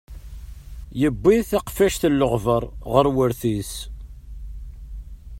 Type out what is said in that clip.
Yuwi taqfact n leɣbar ɣer wurti-s.